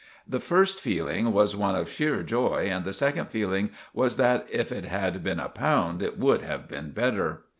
The first fealing was one of shere joy, and the second fealing was that if it had been a pound it would have been better.